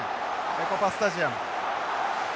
エコパスタジアム。